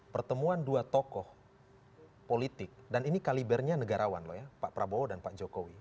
pertemuan dua tokoh politik dan ini kalibernya negarawan loh ya pak prabowo dan pak jokowi